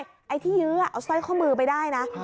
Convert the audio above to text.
ไม่ได้ไอ้ที่เยอะเอาสร้อยข้อมือไปได้นะ